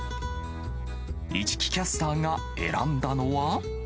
市來キャスターが選んだのは。